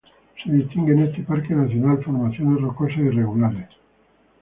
Se distinguen en este parque nacional formaciones rocosas irregulares.